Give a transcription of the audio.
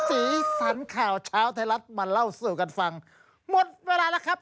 สีสันข่าวเช้าไทยรัฐมาเล่าสู่กันฟังหมดเวลาแล้วครับ